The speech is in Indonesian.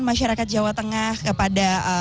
masyarakat jawa tengah kepada